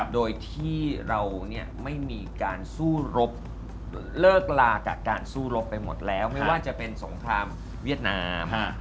โดยที่เราไม่มีการสู้รบเลิกลากับการสู้รบไปหมดแล้วไม่ว่าจะเป็นสงครามเวียดนาม